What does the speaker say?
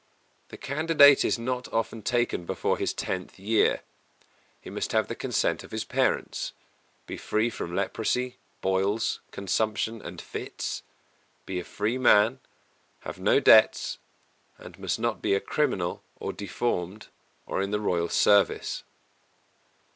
The candidate is not often taken before his tenth year; he must have the consent of his parents; be free from leprosy, boils, consumption and fits; be a free man; have no debts; and must not be a criminal or deformed or in the royal service.